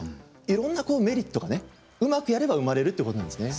いろんなこうメリットがねうまくやれば生まれるっていうことなんですね。